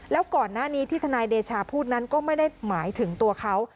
แล้วก่อนหน้านี้ที่ทนายเดชาพูดนั้นก็ไม่ได้หมายถึงตัวเขา